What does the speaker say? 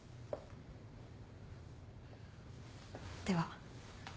では。